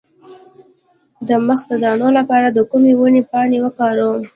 د مخ د دانو لپاره د کومې ونې پاڼې وکاروم؟